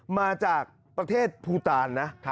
มาจากประเทศภูตาลนะ